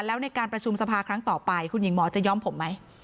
แล้วในการประชุมสภาครั้งต่อไปคุณหญิงหมอจะย้อมผมไหม